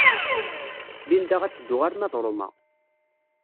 Linda ad teddu arma d Roma.